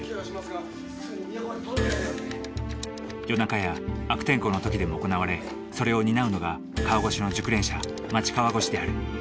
夜中や悪天候の時でも行われそれを担うのが川越しの熟練者待川越である。